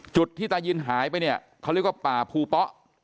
จุดที่ตายินหายไปเนี่ยเขาเรียกว่าป่าภูเป๊ะ